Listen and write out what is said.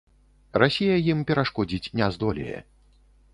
Расія ім перашкодзіць не здолее.